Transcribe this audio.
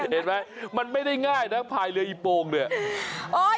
เห็นไหมมันไม่ได้ง่ายนะพายเรืออีโปงเนี่ย